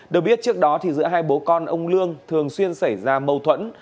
được biết trước đó giữa hai bố con ông lương thường xuyên xảy ra mâu thuẫn